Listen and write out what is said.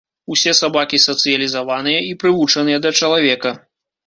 Усе сабакі сацыялізаваныя і прывучаныя да чалавека.